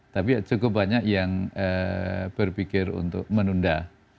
tapi cukup banyak yang berpikir untuk menunda